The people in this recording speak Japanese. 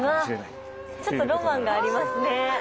うわちょっとロマンがありますね。